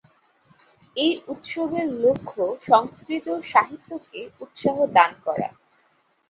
এই উৎসবের লক্ষ্য সংস্কৃত সাহিত্যকে উৎসাহ দান করা।